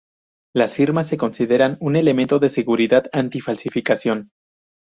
Las firmas se consideran un elemento de seguridad anti-falsificación.